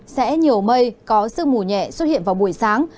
sẽ nhiều mây có sương mù nhẹ xuất hiện vào buổi sáng